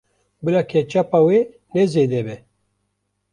Bila ketçapa wê ne zêde be.